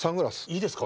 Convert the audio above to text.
いいですか？